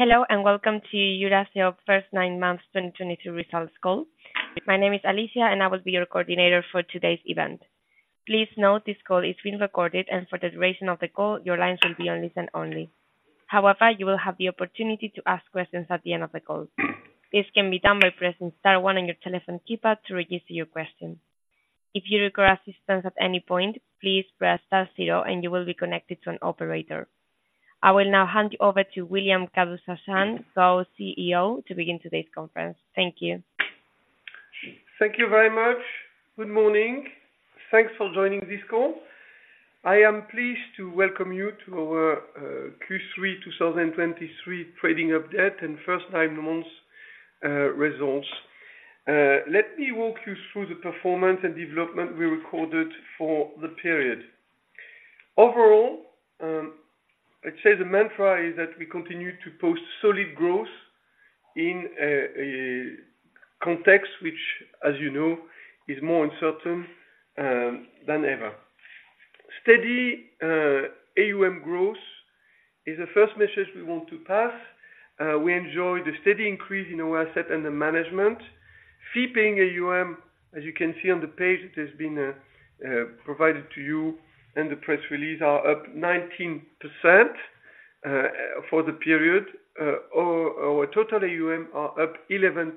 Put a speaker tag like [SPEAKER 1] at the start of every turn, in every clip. [SPEAKER 1] Hello, and welcome to Eurazeo first nine months, 2023 results call. My name is Alicia, and I will be your coordinator for today's event. Please note this call is being recorded, and for the duration of the call, your lines will be on listen-only. However, you will have the opportunity to ask questions at the end of the call. This can be done by pressing star one on your telephone keypad to register your question. If you require assistance at any point, please press star zero, and you will be connected to an operator. I will now hand you over to William Kadouch-Chassaing, Co-CEO, to begin today's conference. Thank you.
[SPEAKER 2] Thank you very much. Good morning. Thanks for joining this call. I am pleased to welcome you to our Q3 2023 trading update and first nine months results. Let me walk you through the performance and development we recorded for the period. Overall, I'd say the mantra is that we continue to post solid growth in a context which, as you know, is more uncertain than ever. Steady AUM growth is the first message we want to pass. We enjoy the steady increase in our assets under management. Fee paying AUM, as you can see on the page that has been provided to you and the press release, are up 19% for the period, our total AUM are up 11%.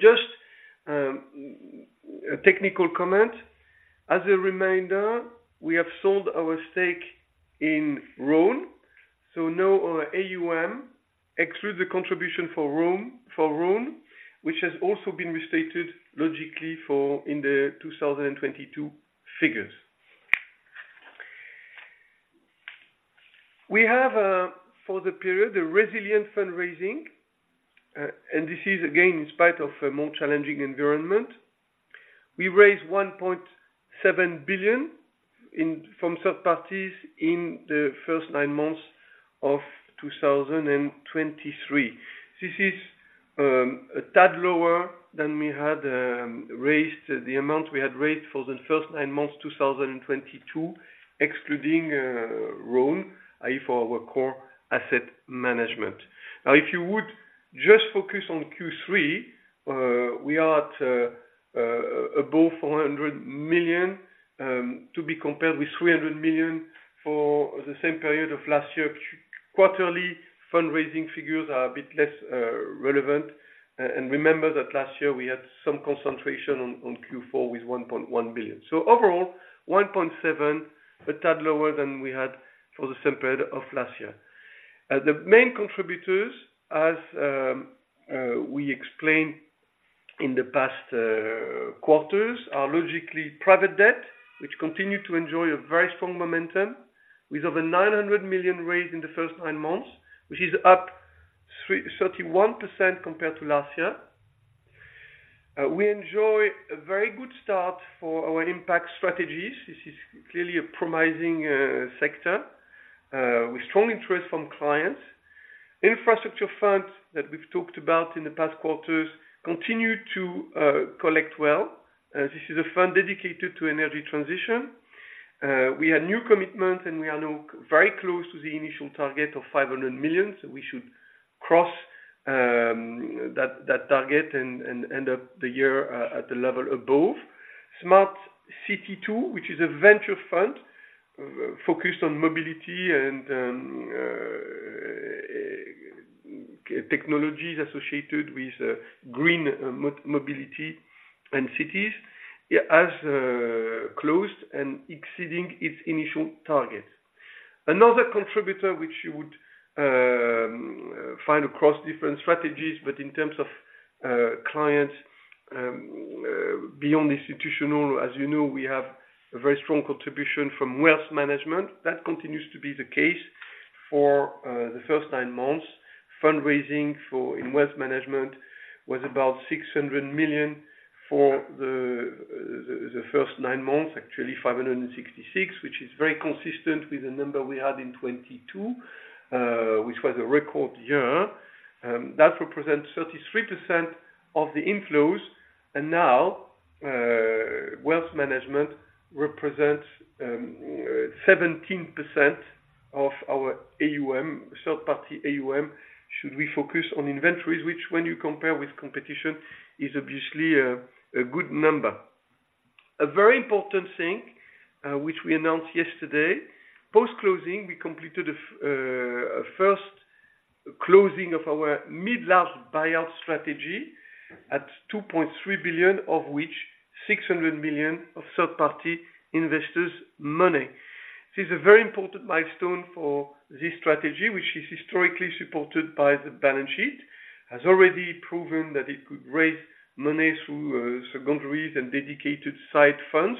[SPEAKER 2] Just a technical comment. As a reminder, we have sold our stake in Rhône, so now our AUM exclude the contribution from Rhône, for Rhône, which has also been restated logically for in the 2022 figures. We have, for the period, a resilient fundraising, and this is, again, in spite of a more challenging environment. We raised 1.7 billion from third parties in the first nine months of 2023. This is a tad lower than we had raised, the amount we had raised for the first nine months, 2022, excluding, Rhône, i.e., for our core asset management. Now, if you would just focus on Q3, we are at above 400 million, to be compared with 300 million for the same period of last year. Quarterly fundraising figures are a bit less relevant. Remember that last year we had some concentration on Q4 with 1.1 billion. Overall, 1.7, a tad lower than we had for the same period of last year. The main contributors, as we explained in the past quarters, are logically private debt, which continue to enjoy a very strong momentum with over 900 million raised in the first nine months, which is up 31% compared to last year. We enjoy a very good start for our impact strategies. This is clearly a promising sector with strong interest from clients. Infrastructure funds that we've talked about in the past quarters continue to collect well. This is a fund dedicated to energy transition. We have new commitments, and we are now very close to the initial target of 500 million. So we should cross that target and end up the year at the level above. Smart City II, which is a venture fund focused on mobility and technologies associated with green mobility and cities, yeah, has closed and exceeding its initial target. Another contributor, which you would find across different strategies, but in terms of clients beyond institutional, as you know, we have a very strong contribution from wealth management. That continues to be the case for the first nine months. Fundraising for in wealth management was about 600 million for the first nine months, actually 566, which is very consistent with the number we had in 2022, which was a record year. That represents 33% of the inflows, and now wealth management represents 17% of our AUM, third party AUM, should we focus on inventories, which when you compare with competition, is obviously a good number. A very important thing, which we announced yesterday, post-closing, we completed a first closing of our mid-large buyout strategy at 2.3 billion, of which 600 million of third-party investors' money. This is a very important milestone for this strategy, which is historically supported by the balance sheet, has already proven that it could raise money through secondaries and dedicated side funds.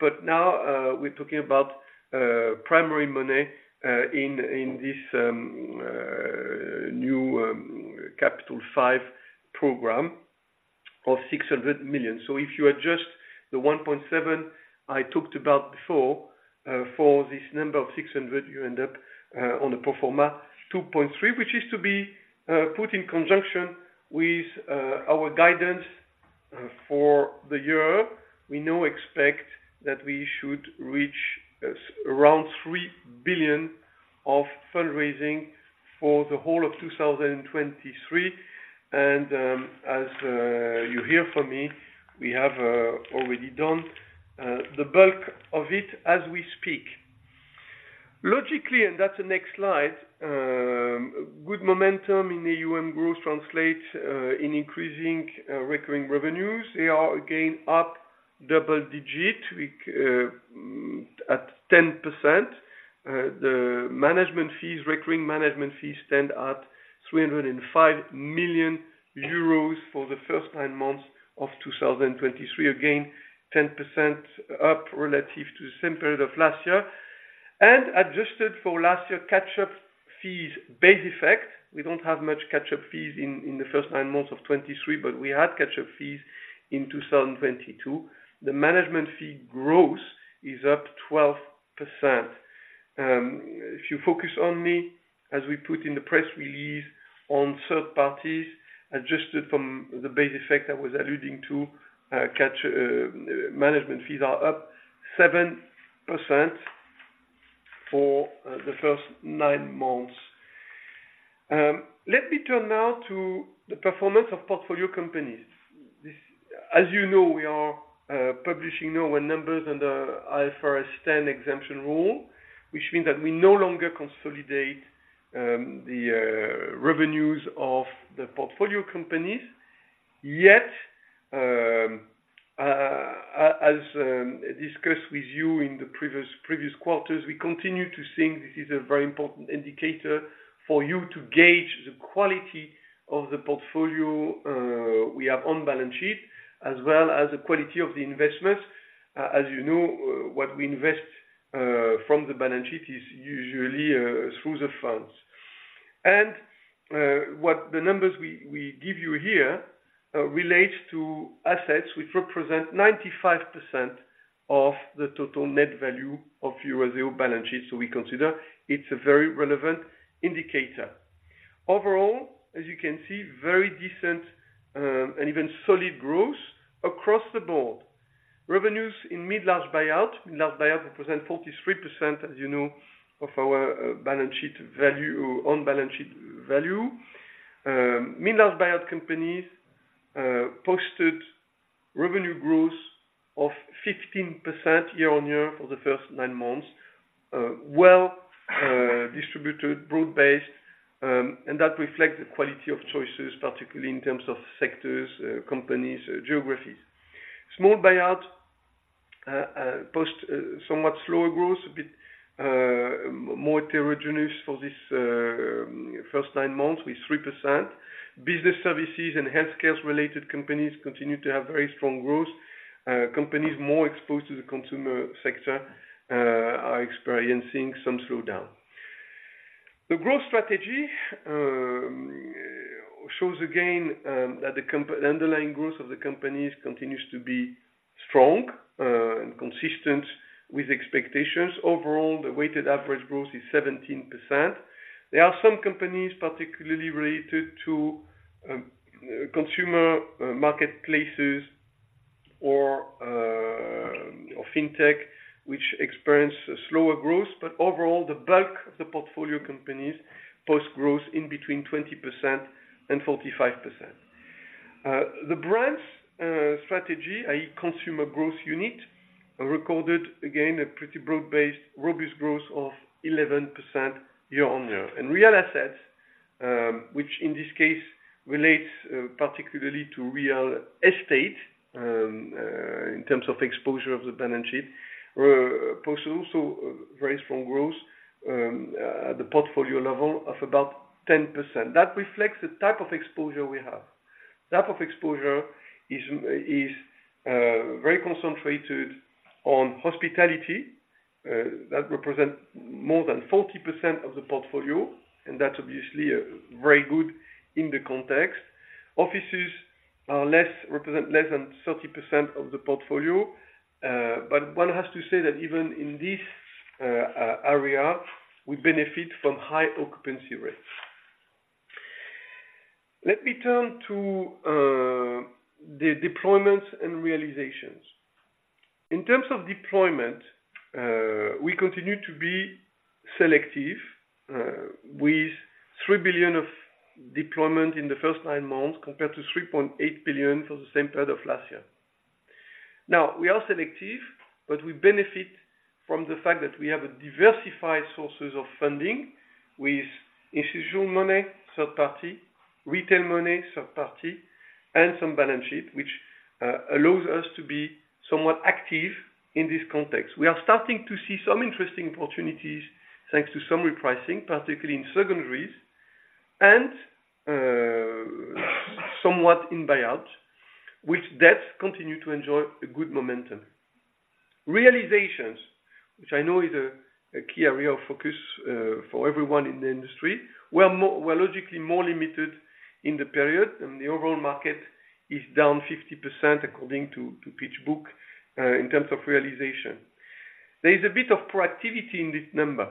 [SPEAKER 2] But now, we're talking about primary money in this new Capital V program of 600 million. So if you adjust the 1.7 I talked about before for this number of 600, you end up on a pro forma 2.3, which is to be put in conjunction with our guidance for the year. We now expect that we should reach around 3 billion of fundraising for the whole of 2023. And, as you hear from me, we have already done the bulk of it as we speak. Logically, and that's the next slide, good momentum in AUM growth translates in increasing recurring revenues. They are, again, up double-digits year-over-year at 10%. The management fees, recurring management fees, stand at 305 million euros for the first nine months of 2023. Again, 10% up relative to the same period of last year. Adjusted for last year, catch-up fees base effect. We don't have much catch-up fees in the first nine months of 2023, but we had catch-up fees in 2022. The management fee growth is up 12%. If you focus on me, as we put in the press release on third parties, adjusted from the base effect I was alluding to, management fees are up 7% for the first nine months. Let me turn now to the performance of portfolio companies. As you know, we are publishing our numbers under IFRS 10 exemption rule, which means that we no longer consolidate the revenues of the portfolio companies. Yet, as discussed with you in the previous, previous quarters, we continue to think this is a very important indicator for you to gauge the quality of the portfolio we have on balance sheet, as well as the quality of the investments. As you know, what we invest from the balance sheet is usually through the funds. And, what the numbers we give you here relates to assets which represent 95% of the total net value of Eurazeo balance sheet. So we consider it's a very relevant indicator. Overall, as you can see, very decent and even solid growth across the board. Revenues in mid-large buyout. Mid-large buyout represent 43%, as you know, of our balance sheet value, on balance sheet value. Mid-large buyout companies posted revenue growth of 15% year-on-year for the first nine months, distributed, broad-based, and that reflects the quality of choices, particularly in terms of sectors, companies, geographies. Small buyout post somewhat slower growth, a bit more heterogeneous for this first nine months, with 3%. Business services and healthcare-related companies continue to have very strong growth. Companies more exposed to the consumer sector are experiencing some slowdown. The growth strategy shows again that the underlying growth of the companies continues to be strong and consistent with expectations. Overall, the weighted average growth is 17%. There are some companies, particularly related to consumer marketplaces or fintech, which experience a slower growth. But overall, the bulk of the portfolio companies post growth in between 20% and 45%. The Brands strategy, i.e., consumer growth unit, recorded again a pretty broad-based, robust growth of 11% year-on-year. And Real Assets, which in this case relates particularly to real estate, in terms of exposure of the balance sheet, posted also very strong growth at the portfolio level of about 10%. That reflects the type of exposure we have. Type of exposure is very concentrated on hospitality that represent more than 40% of the portfolio, and that's obviously very good in the context. Offices are less, represent less than 30% of the portfolio, but one has to say that even in this area, we benefit from high occupancy rates. Let me turn to the deployments and realizations. In terms of deployment, we continue to be selective with 3 billion of deployment in the first nine months, compared to 3.8 billion for the same period of last year. Now, we are selective, but we benefit from the fact that we have a diversified sources of funding with institutional money, third party, retail money, third party, and some balance sheet, which allows us to be somewhat active in this context. We are starting to see some interesting opportunities, thanks to some repricing, particularly in secondaries and somewhat in buyout, which debt continue to enjoy a good momentum. Realizations, which I know is a key area of focus for everyone in the industry, we were logically more limited in the period, and the overall market is down 50%, according to PitchBook, in terms of realization. There is a bit of proactivity in this number.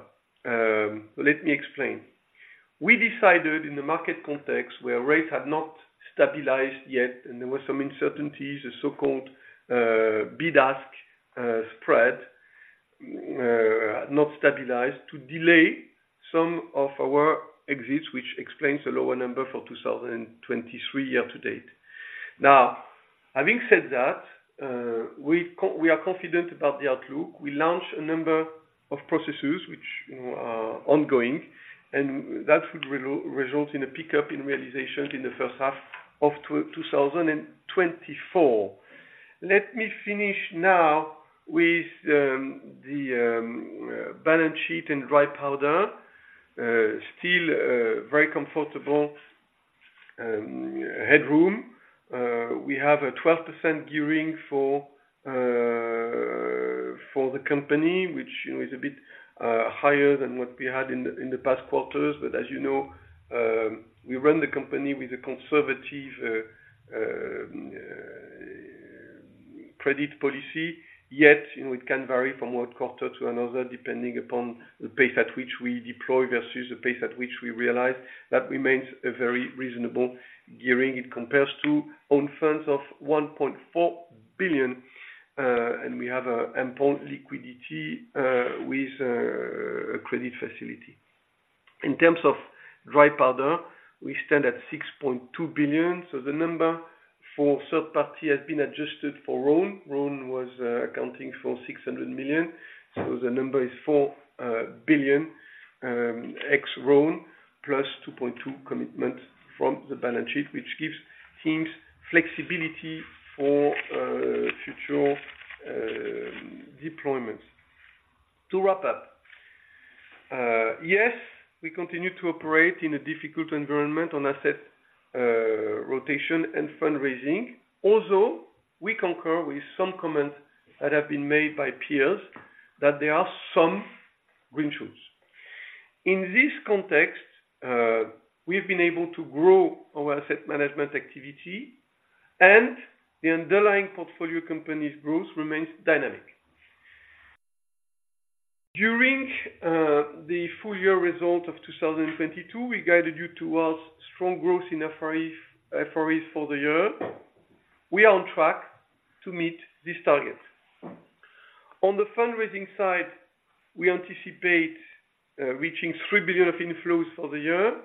[SPEAKER 2] Let me explain. We decided in the market context, where rates had not stabilized yet, and there were some uncertainties, the so-called bid-ask spread not stabilized, to delay some of our exits, which explains the lower number for 2023 year to date. Now, having said that, we are confident about the outlook. We launched a number of processes which, you know, are ongoing, and that would result in a pickup in realizations in the first half of 2024. Let me finish now with the balance sheet and dry powder. Still, a very comfortable headroom. We have a 12% gearing for the company, which, you know, is a bit higher than what we had in the past quarters. But as you know, we run the company with a conservative credit policy. Yet, you know, it can vary from one quarter to another, depending upon the pace at which we deploy versus the pace at which we realize. That remains a very reasonable gearing. It compares to own funds of 1.4 billion, and we have important liquidity with a credit facility. In terms of dry powder, we stand at 6.2 billion. So the number for third party has been adjusted for Rhône. Rhône was accounting for 600 million, so the number is 4 billion ex Rhône, plus 2.2 commitment from the balance sheet, which gives teams flexibility for future deployments. To wrap up, yes, we continue to operate in a difficult environment on asset rotation and fundraising, although we concur with some comments that have been made by peers, that there are some green shoots. In this context, we've been able to grow our asset management activity, and the underlying portfolio company's growth remains dynamic. During the full year results of 2022, we guided you towards strong growth in FRE, FREs for the year. We are on track to meet this target. On the fundraising side, we anticipate reaching 3 billion of inflows for the year,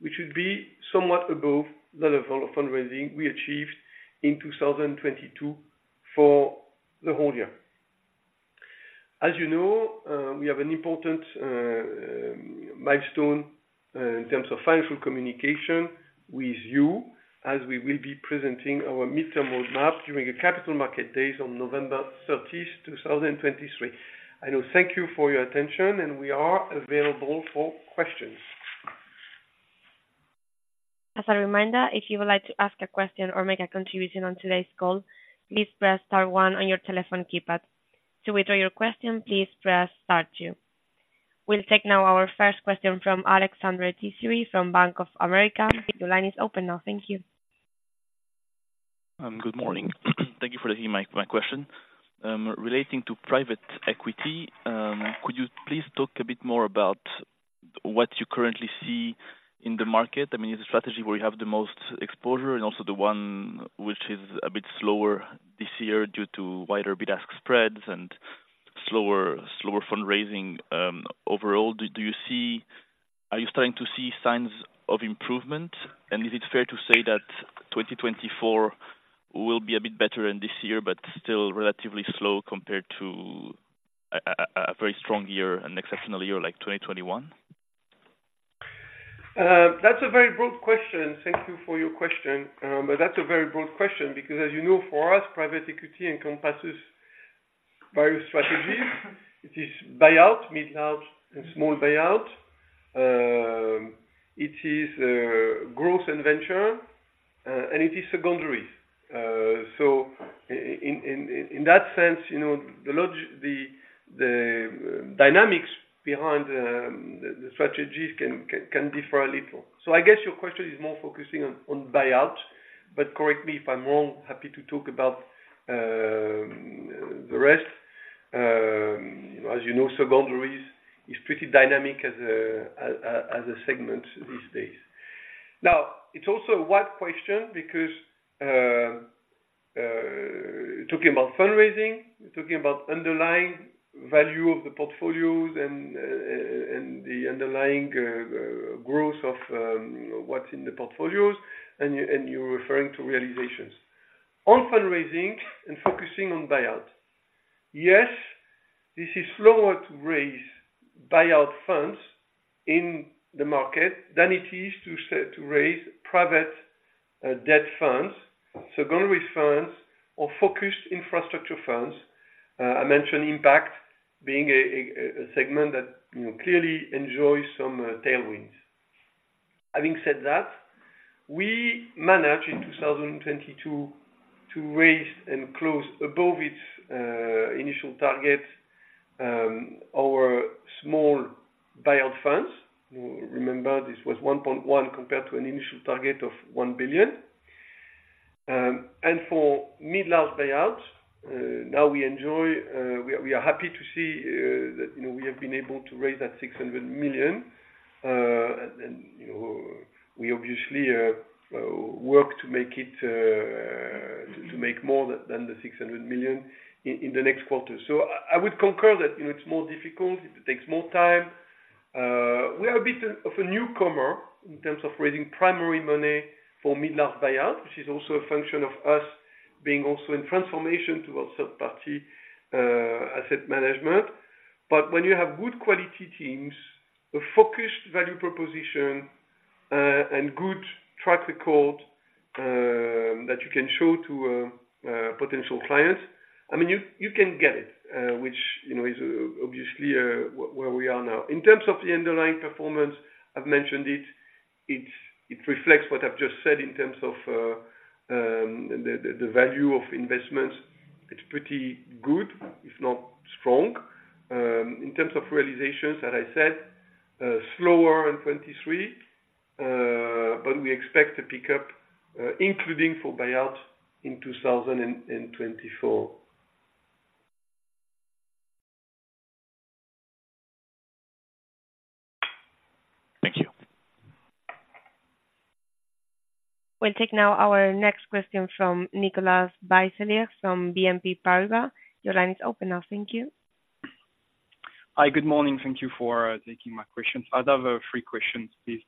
[SPEAKER 2] which would be somewhat above the level of fundraising we achieved in 2022 for the whole year. As you know, we have an important milestone in terms of financial communication with you, as we will be presenting our midterm roadmap during a Capital Markets Day on November 30, 2023. I now thank you for your attention, and we are available for questions.
[SPEAKER 1] As a reminder, if you would like to ask a question or make a contribution on today's call, please press star one on your telephone keypad. To withdraw your question, please press star two. We'll take now our first question from Alexandre Tissier, from Bank of America. Your line is open now. Thank you.
[SPEAKER 3] Good morning. Thank you for taking my question. Relating to private equity, could you please talk a bit more about what you currently see in the market? I mean, it's a strategy where you have the most exposure, and also the one which is a bit slower this year due to wider bid-ask spreads and slower fundraising. Overall, do you see - are you starting to see signs of improvement? And is it fair to say that 2024 will be a bit better than this year, but still relatively slow compared to a very strong year and exceptional year, like 2021?
[SPEAKER 2] That's a very broad question. Thank you for your question. But that's a very broad question, because as you know, for us, private equity encompasses various strategies. It is buyout, mid-market and small buyout. It is growth and venture, and it is secondaries. So in that sense, you know, the logic, the dynamics behind the strategies can differ a little. So I guess your question is more focusing on buyout, but correct me if I'm wrong, happy to talk about the rest. As you know, secondaries is pretty dynamic as a segment these days. Now, it's also a wide question because, talking about fundraising, we're talking about underlying value of the portfolios and, and the underlying, growth of, what's in the portfolios, and you, and you're referring to realizations. On fundraising and focusing on buyout, yes, this is slower to raise buyout funds in the market than it is to raise private debt funds, secondary funds, or focused infrastructure funds. I mentioned impact being a, a, segment that, you know, clearly enjoys some, tailwinds. Having said that, we managed in 2022, to raise and close above its, initial target, our small buyout funds. Remember, this was 1.1 billion, compared to an initial target of 1 billion.... For mid-large buyouts, now we enjoy, we are happy to see, you know, we have been able to raise that 600 million. And then, you know, we obviously work to make more than the 600 million in the next quarter. So I would concur that, you know, it's more difficult, it takes more time. We are a bit of a newcomer in terms of raising primary money for mid-large buyout, which is also a function of us being also in transformation towards third-party asset management. But when you have good quality teams, a focused value proposition, and good track record that you can show to a potential client, I mean, you can get it, which you know is obviously where we are now. In terms of the underlying performance, I've mentioned it. It reflects what I've just said in terms of the value of investments. It's pretty good, if not strong. In terms of realizations, as I said, slower in 2023, but we expect to pick up, including for buyout in 2024.
[SPEAKER 1] Thank you. We'll take now our next question from Nicolas, from BNP Paribas. Your line is open now. Thank you.
[SPEAKER 4] Hi, good morning. Thank you for taking my questions. I'd have three questions, please.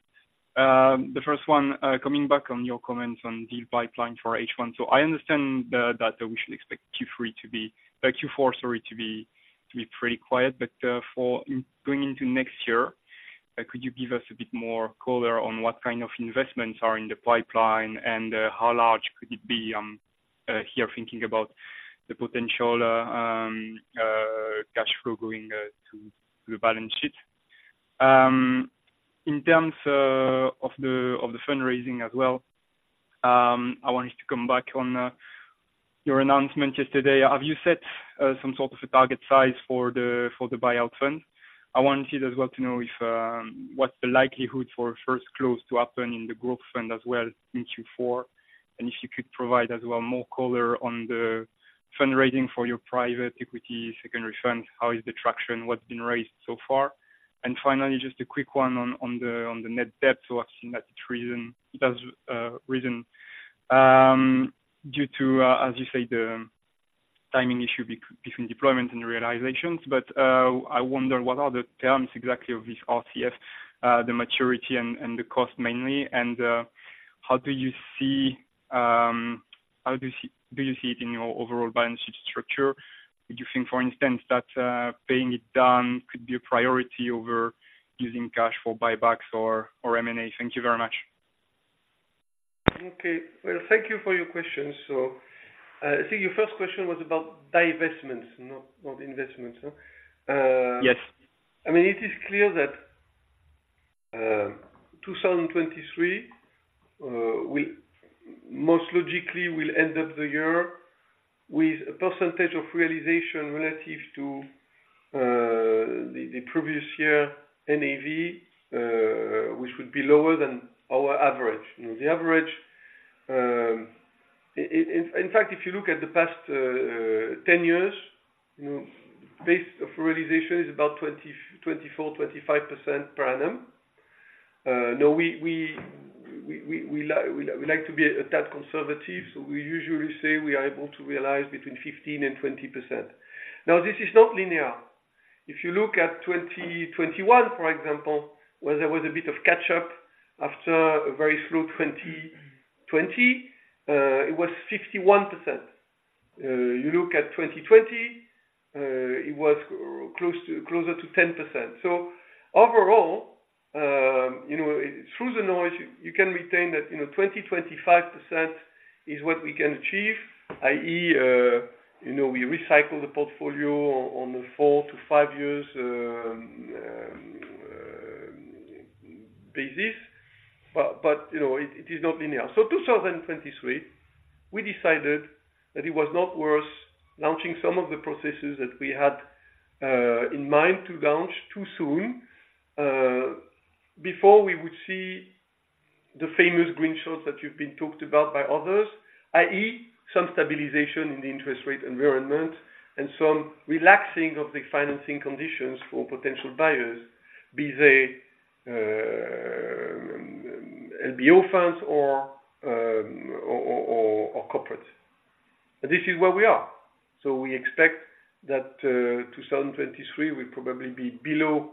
[SPEAKER 4] The first one, coming back on your comments on deal pipeline for H1. So I understand that we should expect Q3 to be Q4, sorry, to be pretty quiet. But for going into next year, could you give us a bit more color on what kind of investments are in the pipeline, and how large could it be? Here thinking about the potential cash flow going to the balance sheet. In terms of the fundraising as well, I wanted to come back on your announcement yesterday. Have you set some sort of a target size for the buyout fund? I wanted as well to know if what's the likelihood for first close to happen in the growth fund as well in Q4. And if you could provide as well more color on the fundraising for your private equity secondary fund, how is the traction? What's been raised so far? And finally, just a quick one on the net debt. So I've seen that it's risen, it has risen due to as you say, the timing issue between deployment and realizations. But I wonder, what are the terms exactly of this RCF, the maturity and the cost mainly? And how do you see it in your overall balance sheet structure? Would you think, for instance, that paying it down could be a priority over using cash for buybacks or, or M&A? Thank you very much.
[SPEAKER 2] Okay. Well, thank you for your questions. So, I think your first question was about divestments, not, not investments, no?
[SPEAKER 4] Uh, yes.
[SPEAKER 2] I mean, it is clear that, 2023, we most logically will end up the year with a percentage of realization relative to, the, the previous year NAV, which would be lower than our average. You know, the average ... In fact, if you look at the past, ten years, you know, base of realization is about 20, 24, 25% per annum. Now, we like to be a tad conservative, so we usually say we are able to realize between 15% and 20%. Now, this is not linear. If you look at 2021, for example, where there was a bit of catch up after a very slow 2020, it was 51%. You look at 2020, it was close to, closer to 10%. So overall, you know, through the noise, you can retain that, you know, 20-25% is what we can achieve, i.e., you know, we recycle the portfolio on a 4-5 years basis. But you know, it is not linear. So 2023, we decided that it was not worth launching some of the processes that we had in mind to launch too soon, before we would see the famous green shoots that you've been talked about by others, i.e., some stabilization in the interest rate environment, and some relaxing of the financing conditions for potential buyers, be they LBO funds or corporates. And this is where we are. So we expect that 2023 will probably be below,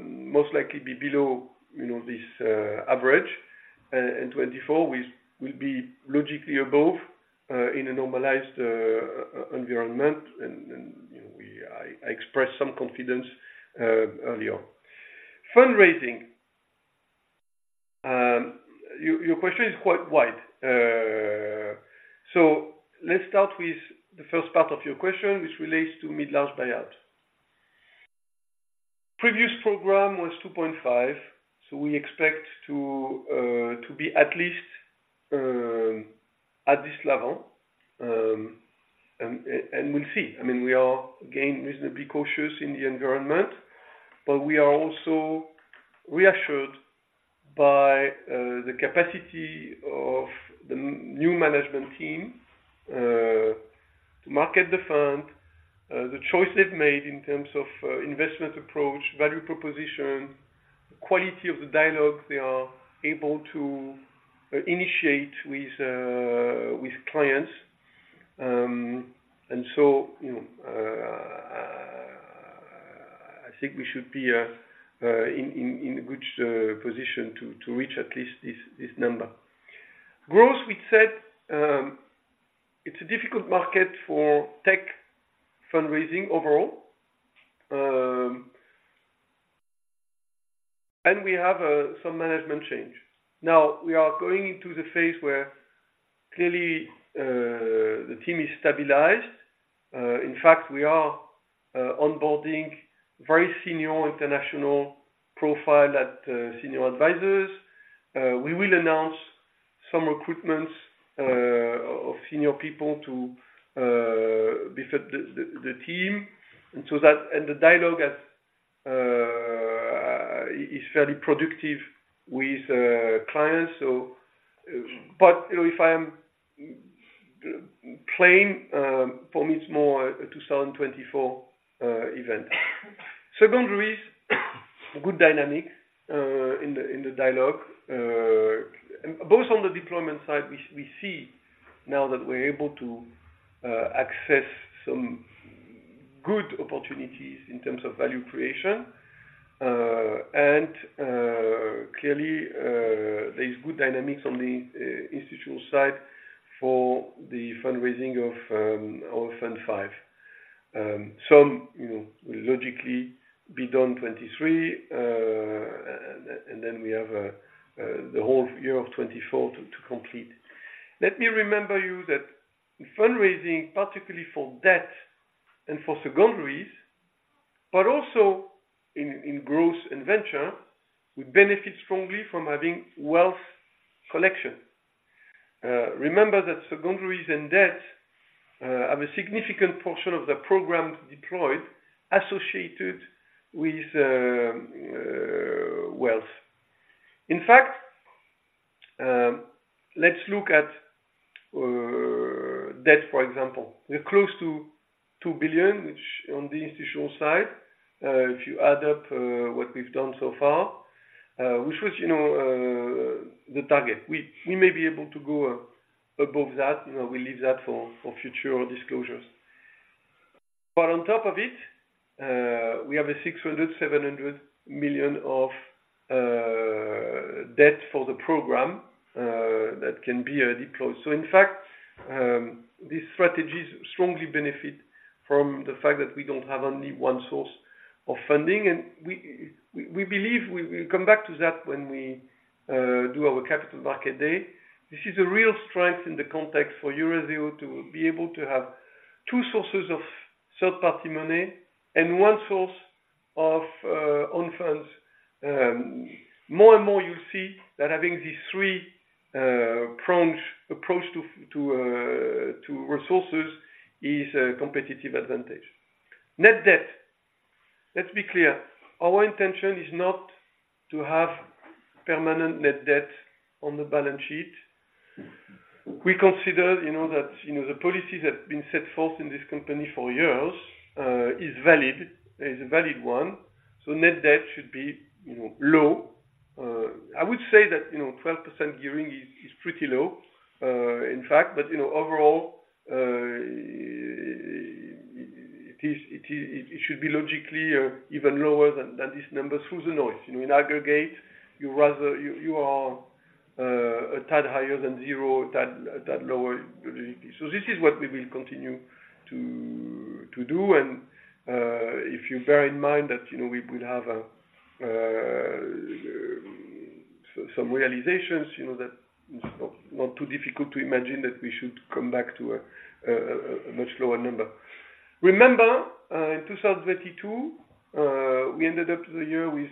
[SPEAKER 2] most likely be below, you know, this average. In 2024, we will be logically above in a normalized environment. And you know, I expressed some confidence earlier. Fundraising. Your question is quite wide. So let's start with the first part of your question, which relates to mid-large buyout. Previous program was 2.5, so we expect to be at least at this level. And we'll see. I mean, we are again reasonably cautious in the environment, but we are also reassured by the capacity of the new management team to market the fund, the choice they've made in terms of investment approach, value proposition, the quality of the dialogue they are able to initiate with clients. And so, you know, I think we should be in a good position to reach at least this number. Growth, we said, it's a difficult market for tech fundraising overall. And we have some management change. Now, we are going into the phase where clearly the team is stabilized. In fact, we are onboarding very senior international profile at senior advisors. We will announce some recruitments of senior people to befit the team, and so that the dialogue is fairly productive with clients. So, but, you know, if I am plain, for me, it's more a 2024 event. Secondaries, good dynamic in the dialogue. Both on the deployment side, we see now that we're able to access some good opportunities in terms of value creation. Clearly, there is good dynamics on the institutional side for the fundraising of our Fund V. Some, you know, will logically be done 2023, and then we have the whole year of 2024 to complete. Let me remember you that in fundraising, particularly for debt and for secondaries, but also in growth and venture, we benefit strongly from having wealth collection. Remember that secondaries and debt have a significant portion of the programs deployed, associated with wealth. In fact, let's look at debt, for example. We're close to 2 billion, which on the institutional side, if you add up what we've done so far, which was, you know, the target. We may be able to go above that. You know, we leave that for future disclosures. But on top of it, we have 600 million-700 million of debt for the program that can be deployed. So in fact, these strategies strongly benefit from the fact that we don't have only one source of funding, and we believe we'll come back to that when we do our capital market day. This is a real strength in the context for Eurazeo to be able to have two sources of third-party money and one source of own funds. More and more you see that having these three prong approach to resources is a competitive advantage. Net debt. Let's be clear. Our intention is not to have permanent net debt on the balance sheet. We consider, you know, that, you know, the policies that have been set forth in this company for years is valid, is a valid one, so net debt should be, you know, low. I would say that, you know, 12% gearing is pretty low, in fact, but, you know, overall, it should be logically even lower than this number through the noise. You know, in aggregate, you are a tad higher than zero, a tad lower. So this is what we will continue to do. If you bear in mind that, you know, we will have some realizations, you know, that is not too difficult to imagine that we should come back to a much lower number. Remember, in 2022, we ended up the year with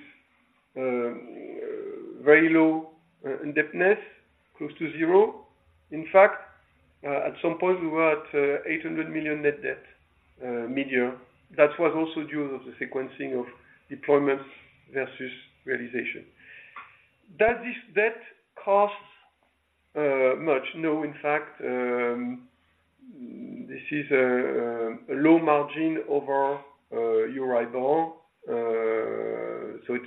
[SPEAKER 2] very low indebtedness, close to zero. In fact, at some point we were at 800 million net debt, midyear. That was also due to the sequencing of deployments versus realization. Does this debt cost much? No. In fact, this is a low margin over EURIBOR, so it's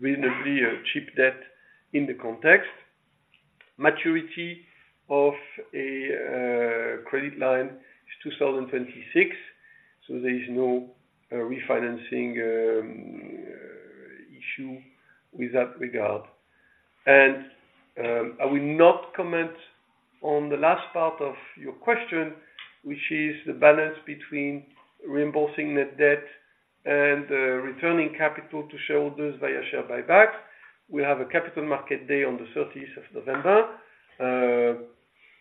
[SPEAKER 2] reasonably a cheap debt in the context. Maturity of a credit line is 2026, so there is no refinancing issue with that regard. I will not comment on the last part of your question, which is the balance between reimbursing net debt and returning capital to shareholders via share buyback. We'll have a capital market day on the thirtieth of November,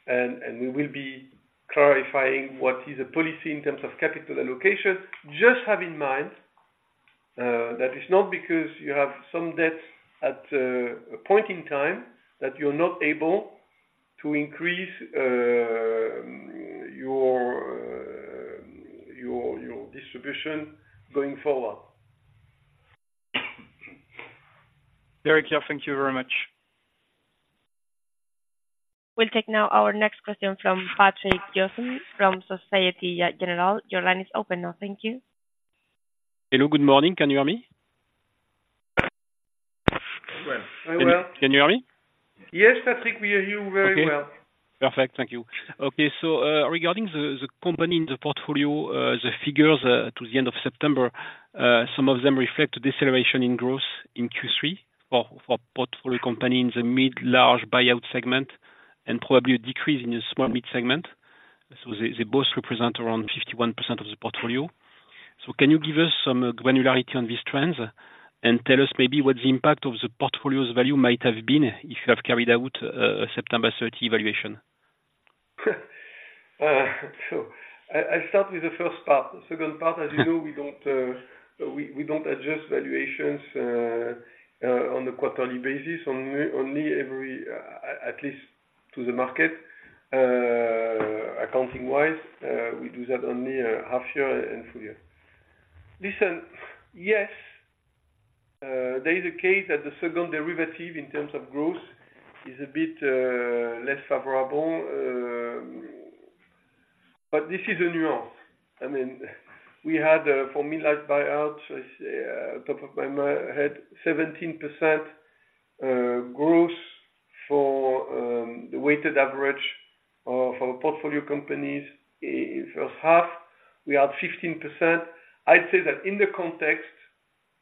[SPEAKER 2] and we will be clarifying what is the policy in terms of capital allocation. Just have in mind that it's not because you have some debt at a point in time, that you're not able to increase your distribution going forward.
[SPEAKER 4] Very clear. Thank you very much.
[SPEAKER 1] We'll take now our next question from Patrick Jousseaume from Société Générale. Your line is open now. Thank you.
[SPEAKER 5] Hello, good morning. Can you hear me?
[SPEAKER 2] Well.
[SPEAKER 5] Can you hear me?
[SPEAKER 2] Yes, Patrick, we hear you very well.
[SPEAKER 5] Okay. Perfect. Thank you. Okay, so, regarding the company in the portfolio, the figures to the end of September, some of them reflect a deceleration in growth in Q3 for portfolio company in the mid large buyout segment, and probably a decrease in the small mid segment. So they both represent around 51% of the portfolio. So can you give us some granularity on these trends, and tell us maybe what the impact of the portfolio's value might have been if you have carried out a September 30 evaluation?
[SPEAKER 2] So I, I'll start with the first part. The second part, as you know, we don't adjust valuations on a quarterly basis, only every at least to the market. Accounting wise, we do that only half year and full year. Listen, yes, there is a case that the second derivative in terms of growth is a bit less favorable, but this is a nuance. I mean, we had for mid-large buyouts, top of my mind-head, 17% growth for the weighted average of our portfolio companies. In first half, we are at 15%. I'd say that in the context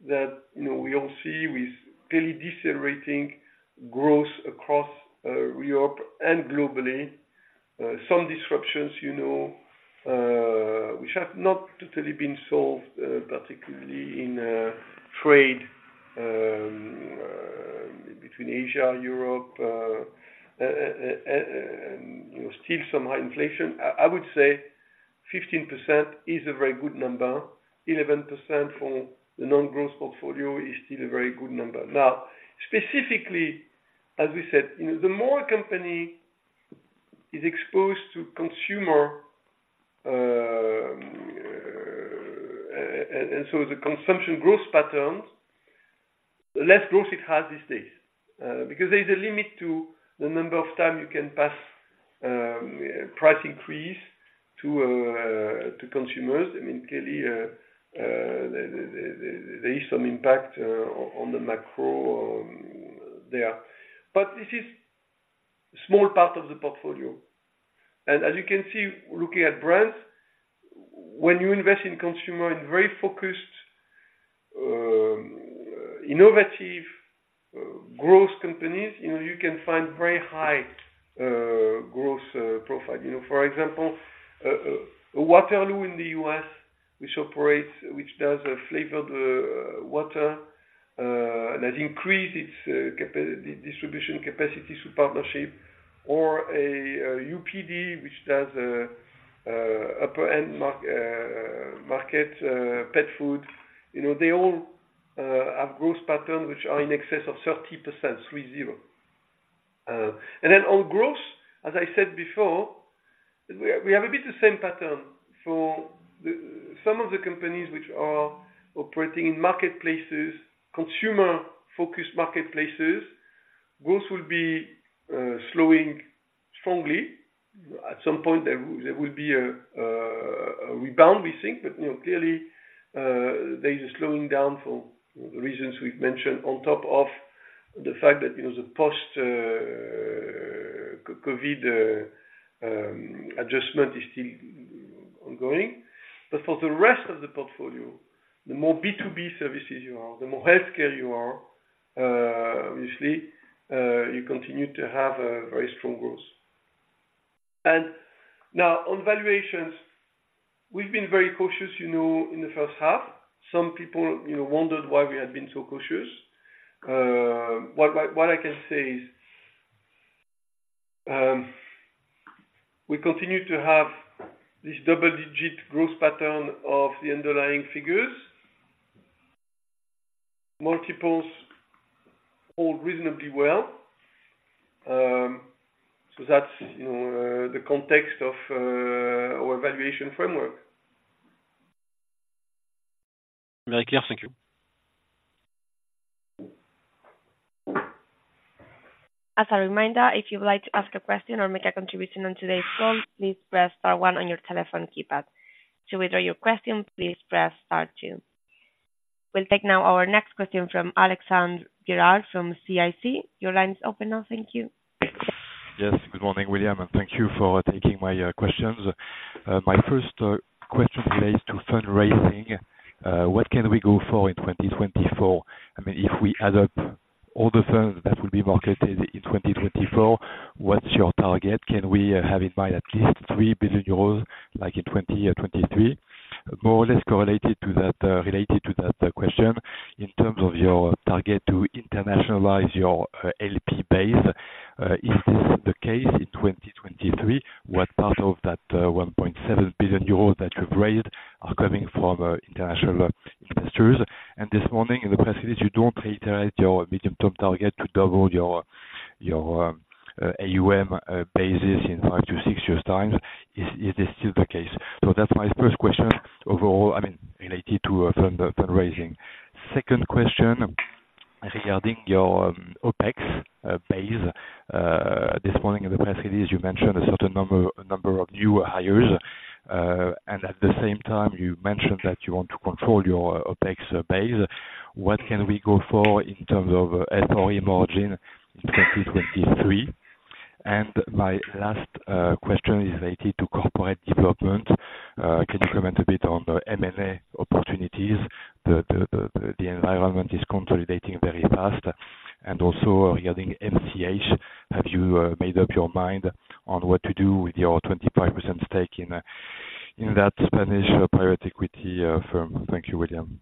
[SPEAKER 2] that, you know, we all see with clearly decelerating growth across Europe and globally, some disruptions, you know, which have not totally been solved, particularly in trade between Asia and Europe, and, you know, still some high inflation. I would say 15% is a very good number. 11% for the non-growth portfolio is still a very good number. Now, specifically, as we said, you know, the more company is exposed to consumer, and so the consumption growth patterns, the less growth it has these days. Because there's a limit to the number of time you can pass price increase to consumers. I mean, clearly, there is some impact on the macro, there. But this is small part of the portfolio. And as you can see, looking at Brands, when you invest in consumer in very focused, innovative growth companies, you know, you can find very high growth profile. You know, for example, Waterloo in the U.S., which operates—which does a flavored water and has increased its distribution capacity through partnership, or a UPD, which does upper end market pet food. You know, they all have growth patterns which are in excess of 30%, three zero. And then on growth, as I said before, we have a bit the same pattern for some of the companies which are operating in marketplaces, consumer-focused marketplaces, growth will be slowing strongly. At some point, there will be a rebound, we think. But, you know, clearly, there is a slowing down for the reasons we've mentioned, on top of the fact that, you know, the post-COVID adjustment is still ongoing. But for the rest of the portfolio, the more B2B services you are, the more healthcare you are, obviously, you continue to have a very strong growth. And now, on valuations, we've been very cautious, you know, in the first half. Some people, you know, wondered why we had been so cautious. What I can say is, we continue to have this double-digit growth pattern of the underlying figures. Multiples hold reasonably well. So that's, you know, the context of, our valuation framework.
[SPEAKER 5] Very clear. Thank you.
[SPEAKER 1] As a reminder, if you'd like to ask a question or make a contribution on today's call, please press star one on your telephone keypad. To withdraw your question, please press star two. We'll take now our next question from Alexandre Gérard from CIC. Your line is open now. Thank you.
[SPEAKER 6] Yes. Good morning, William, and thank you for taking my questions. My first question is related to fundraising. What can we go for in 2024? I mean, if we add up all the funds that will be marketed in 2024, what's your target? Can we have in mind at least 3 billion euros, like in 2023? More or less correlated to that, related to that question, in terms of your target to internationalize your LP base, is this the case in 2023? What part of that 1.7 billion euros that you've raised are coming from international investors? And this morning, in the press release, you don't reiterate your medium-term target to double your LP... your AUM basis in 5-6 years' time. Is this still the case? So that's my first question, overall, I mean, related to fund fundraising. Second question, regarding your OpEx base. This morning in the press release, you mentioned a certain number of new hires, and at the same time, you mentioned that you want to control your OpEx base. What can we go for in terms of FRE margin in 2023? And my last question is related to corporate development. Can you comment a bit on the M&A opportunities? The environment is consolidating very fast. And also regarding MCH, have you made up your mind on what to do with your 25% stake in that Spanish private equity firm? Thank you, William.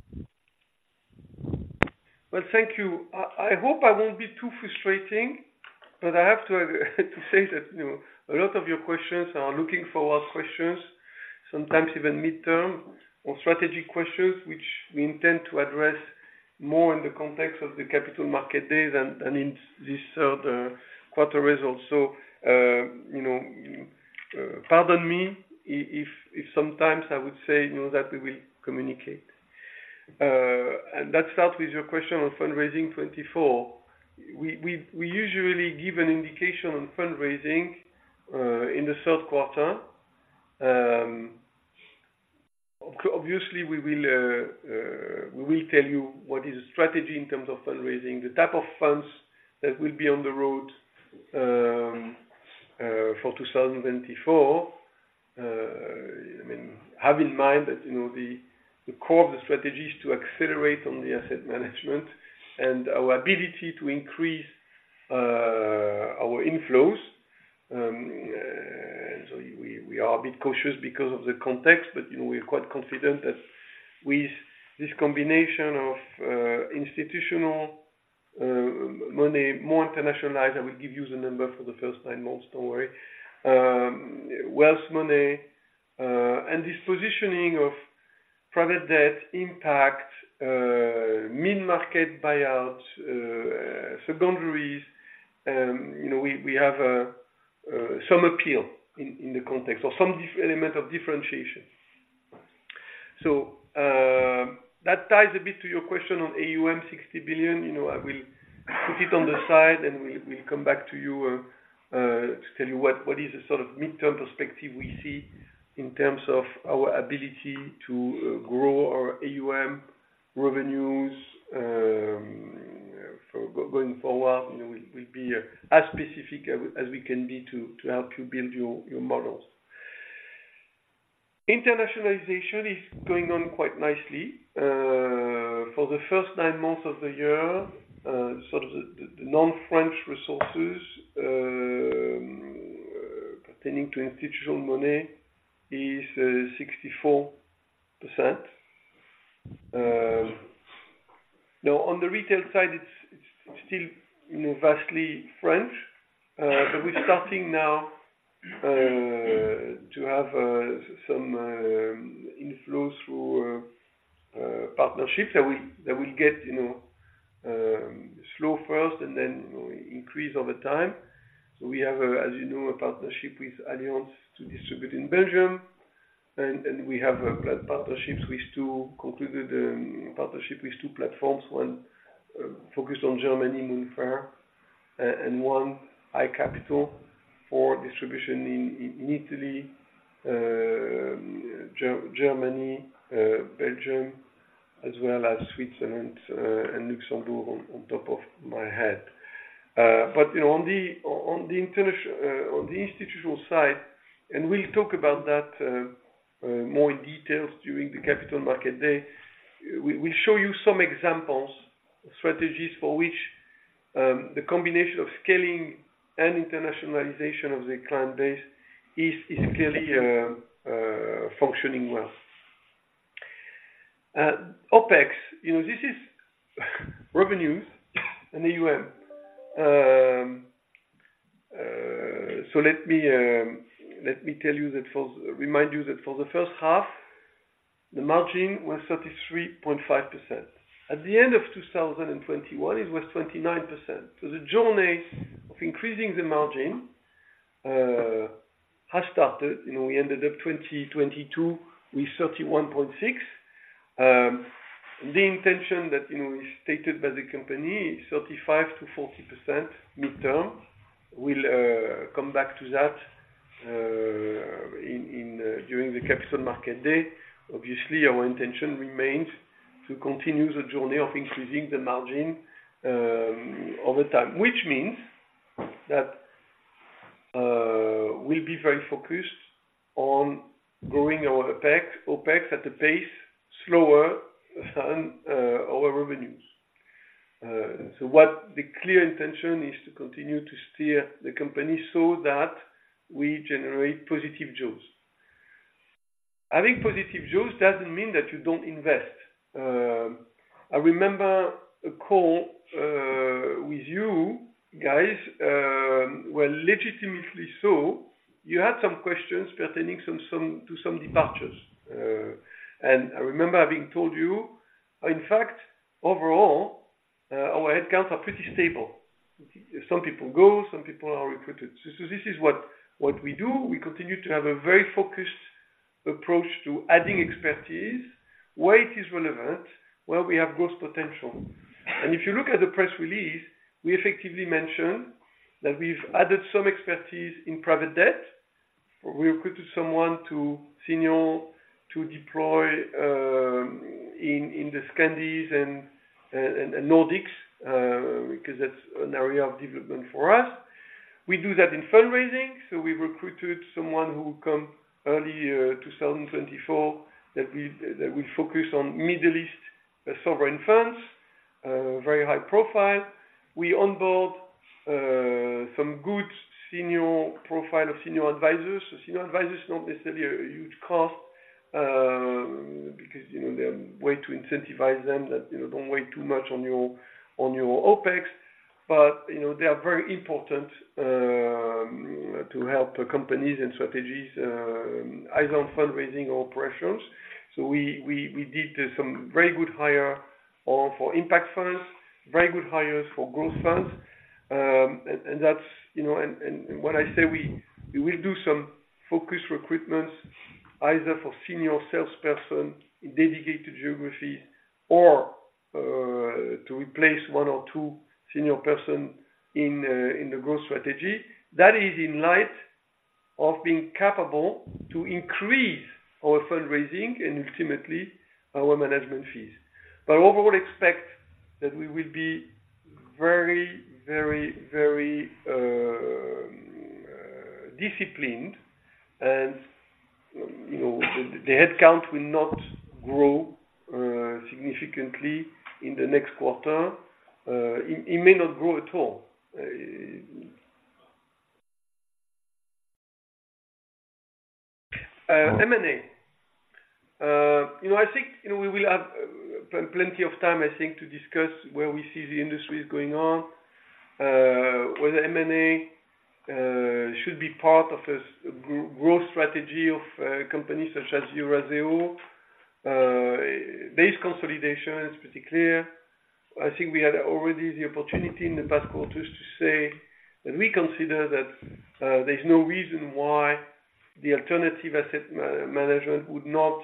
[SPEAKER 2] Well, thank you. I hope I won't be too frustrating, but I have to say that, you know, a lot of your questions are looking forward questions, sometimes even midterm, or strategy questions, which we intend to address more in the context of the capital market day than in this third quarter results. So, you know, pardon me, if sometimes I would say, you know, that we will communicate. And let's start with your question on fundraising 2024. We usually give an indication on fundraising in the Q3. Obviously, we will tell you what is the strategy in terms of fundraising, the type of funds that will be on the road for 2024. I mean, have in mind that, you know, the core of the strategy is to accelerate on the asset management and our ability to increase our inflows. So we are a bit cautious because of the context, but, you know, we're quite confident that with this combination of institutional money, more internationalized, I will give you the number for the first nine months, don't worry. Wealth money, and this positioning of private debt impact, mid-market buyouts, secondaries, you know, we have some appeal in the context or some differentiating element of differentiation. So that ties a bit to your question on AUM, 60 billion. You know, I will put it on the side, and we'll come back to you to tell you what is the sort of midterm perspective we see in terms of our ability to grow our AUM revenues for going forward. You know, we'll be as specific as we can be to help you build your models. Internationalization is going on quite nicely. For the first nine months of the year, sort of the non-French resources pertaining to institutional money is 64%. Now, on the retail side, it's still, you know, vastly French, but we're starting now to have some inflows through partnerships that will get, you know, slow first and then, you know, increase over time. So we have, as you know, a partnership with Allianz to distribute in Belgium, and we have partnerships with two platforms, one focused on Germany, Moonfare, and one, iCapital, for distribution in Italy, Germany, Belgium, as well as Switzerland, and Luxembourg, on top of my head. But you know, on the institutional side, and we'll talk about that more in details during the capital market day, we'll show you some examples, strategies for which the combination of scaling and internationalization of the client base is clearly functioning well. OPEX, you know, this is revenues in the US. So let me remind you that for the H1, the margin was 33.5%. At the end of 2021, it was 29%. So the journey of increasing the margin has started. You know, we ended 2022 with 31.6. The intention that, you know, is stated by the company is 35%-40% midterm. We'll come back to that during the capital market day. Obviously, our intention remains to continue the journey of increasing the margin over time. Which means that we'll be very focused on growing our OPEX at a pace slower than our revenues. So what the clear intention is to continue to steer the company so that we generate positive yields. Having positive yields doesn't mean that you don't invest. I remember a call with you guys. Well, legitimately so, you had some questions pertaining to some departures. And I remember having told you, in fact, overall, our headcounts are pretty stable. Some people go, some people are recruited. So this is what we do. We continue to have a very focused approach to adding expertise, where it is relevant, where we have growth potential. And if you look at the press release, we effectively mention that we've added some expertise in private debt. We recruited someone to senior to deploy in the Scandis and Nordics because that's an area of development for us. We do that in fundraising, so we recruited someone who will come early 2024, that will focus on Middle East sovereign funds, very high profile. We onboard some good senior profile of senior advisors. So senior advisors are not necessarily a huge cost, because you know the way to incentivize them you know don't weigh too much on your OPEX. But you know they are very important to help companies and strategies either on fundraising or operations. So we did some very good hire on for impact funds, very good hires for growth funds. And that's you know and when I say we we will do some focused recruitments either for senior salesperson in dedicated geographies or to replace one or two senior person in the growth strategy. That is in light of being capable to increase our fundraising and ultimately our management fees. But overall, expect that we will be very, very, very, disciplined, and you know, the headcount will not grow significantly in the next quarter. It may not grow at all. M&A. You know, I think, you know, we will have plenty of time, I think, to discuss where we see the industry is going on, whether M&A should be part of a growth strategy of companies such as Eurazeo. Base consolidation is pretty clear. I think we had already the opportunity in the past quarters to say that we consider that, there's no reason why the alternative asset management would not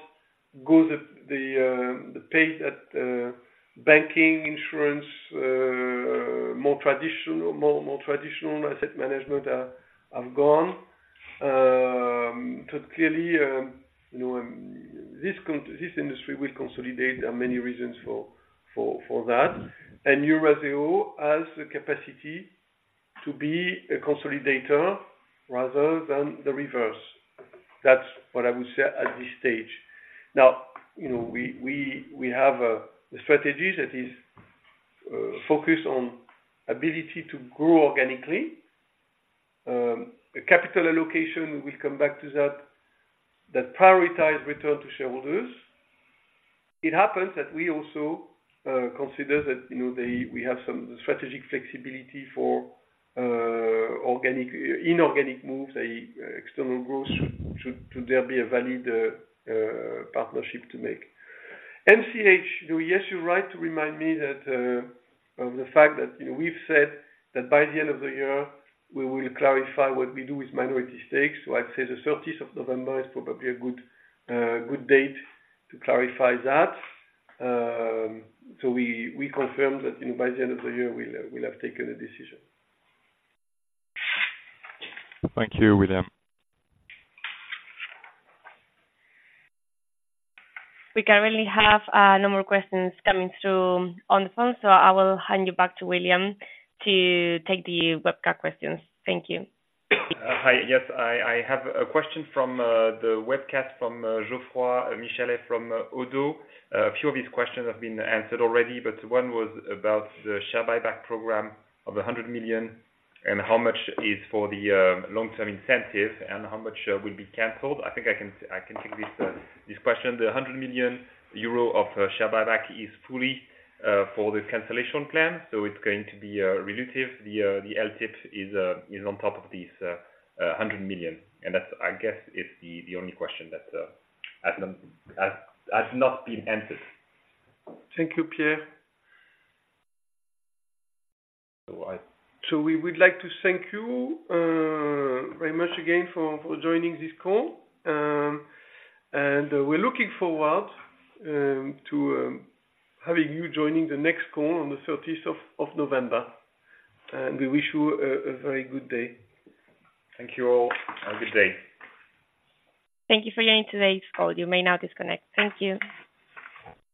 [SPEAKER 2] go the pace that, banking, insurance, more traditional asset management have gone. So clearly, you know, this industry will consolidate. There are many reasons for that. And Eurazeo has the capacity to be a consolidator rather than the reverse. That's what I would say at this stage. Now, you know, we have a strategy that is focused on ability to grow organically. A capital allocation, we will come back to that, that prioritize return to shareholders. It happens that we also consider that, you know, we have some strategic flexibility for organic, inorganic moves, and external growth should there be a valid partnership to make. MCH, yes, you're right to remind me that of the fact that, you know, we've said that by the end of the year, we will clarify what we do with minority stakes. So I'd say the thirtieth of November is probably a good date to clarify that. So we confirm that, you know, by the end of the year, we'll have taken a decision.
[SPEAKER 6] Thank you, William.
[SPEAKER 1] We currently have no more questions coming through on the phone, so I will hand you back to William to take the webcast questions. Thank you.
[SPEAKER 7] Hi. Yes, I have a question from the webcast from Geoffroy Michalet from Oddo. A few of these questions have been answered already, but one was about the share buyback program of 100 million, and how much is for the long-term incentive, and how much will be canceled? I think I can take this question. The 100 million euro of share buyback is fully for the cancellation plan, so it's going to be relative. The LTIP is on top of this 100 million, and that's, I guess, the only question that has not been answered.
[SPEAKER 2] Thank you, Pierre. So we would like to thank you very much again for joining this call, and we're looking forward to having you joining the next call on the thirtieth of November. And we wish you a very good day.
[SPEAKER 7] Thank you all, and good day.
[SPEAKER 1] Thank you for joining today's call. You may now disconnect. Thank you.